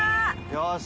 よし。